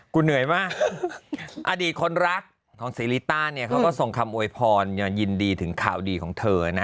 เหนื่อยมากอดีตคนรักของศรีริต้าเนี่ยเขาก็ส่งคำโวยพรยินดีถึงข่าวดีของเธอนะ